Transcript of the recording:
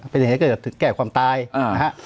เป็นอย่างนี้ก็จะถึงแก่ความตายนะฮะ